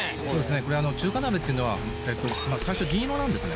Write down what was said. これ中華鍋っていうのは最初銀色なんですね